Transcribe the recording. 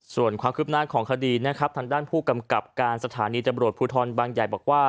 ส่วนความคืบหน้าของคดีนะครับทางด้านผู้กำกับการสถานีตำรวจภูทรบางใหญ่บอกว่า